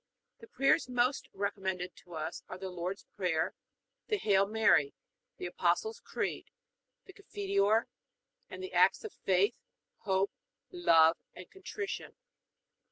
The prayers most recommended to us are the Lord's Prayer, the Hail Mary, the Apostles' Creed, the Confiteor, and the Acts of Faith, Hope, Love, and Contrition.